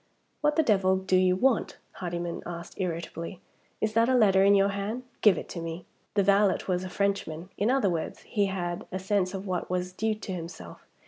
"What the devil do you want?" Hardyman asked irritably. "Is that a letter in your hand? Give it to me." The valet was a Frenchman. In other words, he had a sense of what was due to himself.